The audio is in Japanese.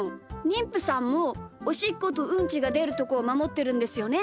にんぷさんもおしっことうんちがでるところをまもってるんですよね？